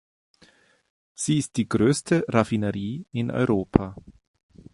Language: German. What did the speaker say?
Sie ist die größte Raffinerie in Europa.